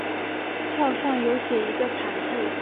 票上有写一个惨字